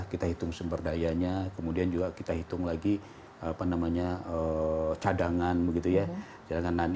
kita hitung sumber dayanya kemudian juga kita hitung lagi cadangan begitu ya